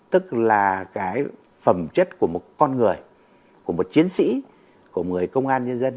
tức là cái phẩm chất của một con người của một chiến sĩ của người công an nhân dân